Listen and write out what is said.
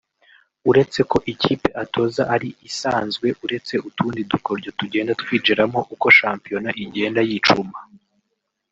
Uretse ko n'ikipe atoza ari isanzwe uretse utundi dukoryo tugenda twinjiramo uko shampiyona igenda yicuma